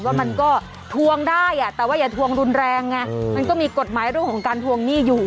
ว่ามันก็ทวงได้อ่ะแต่ว่าอย่าทวงรุนแรงไงมันก็มีกฎหมายเรื่องของการทวงหนี้อยู่